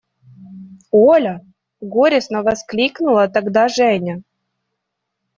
– Оля! – горестно воскликнула тогда Женя.